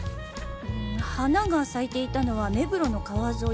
花が咲いていたのは目黒の川沿い